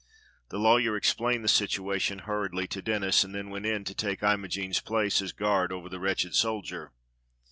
The lawyer explained the situation hurriedly to Denis and then went in to take Imogene's place as guard over the wretched soldier.